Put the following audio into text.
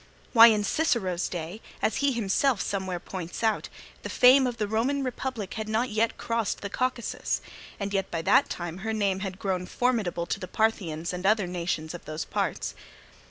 Why, in Cicero's days, as he himself somewhere points out, the fame of the Roman Republic had not yet crossed the Caucasus, and yet by that time her name had grown formidable to the Parthians and other nations of those parts.